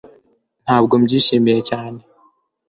ntabwo mbyishimiye cyane